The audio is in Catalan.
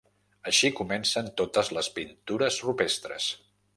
Així comencen totes les pintures rupestres.